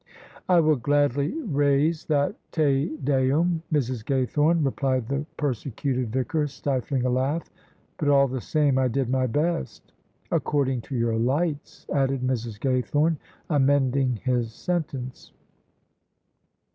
" I will gladly raise that Te Deum, Mrs. Gaythorne," replied the persecuted Vicar, stifling a laugh: "but, all the same, I did my best." "According to your lights," added Mrs. Gaythorne, amending his sentence.